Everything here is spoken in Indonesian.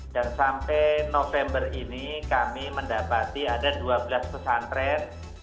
dan sampai november ini kami mendapati ada dua belas pesantren